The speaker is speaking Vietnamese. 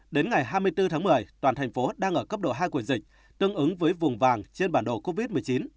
đến ngày hai mươi bốn tháng một mươi toàn thành phố đang ở cấp độ hai của dịch tương ứng với vùng vàng trên bản đồ covid một mươi chín